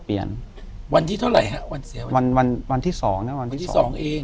เปลี่ยนวันที่เท่าไหร่ฮะวันเสียวันวันวันวันที่สองน่ะวันที่สองเอง